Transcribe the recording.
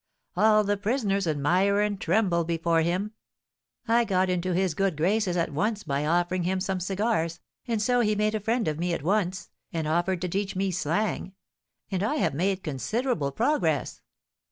"All the prisoners admire and tremble before him. I got into his good graces at once by offering him some cigars, and so he made a friend of me at once, and offered to teach me slang; and I have made considerable progress."